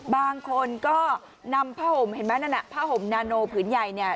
บางคนก็นำผ้าห่มเห็นไหมนั่นน่ะผ้าห่มนาโนผืนใหญ่เนี่ย